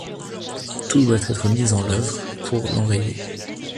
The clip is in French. Tout doit être mis en l'œuvre pour l'enrayer.